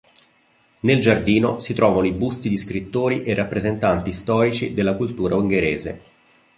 Nel giardino si trovano i busti di scrittori e rappresentanti storici della cultura ungherese.